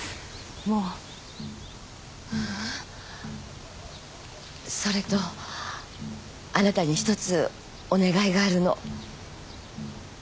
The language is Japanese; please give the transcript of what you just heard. もうううんそれとあなたに１つお願いがあるのえっ？